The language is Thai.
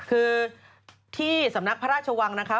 คือที่สำนักพระราชวังนะคะ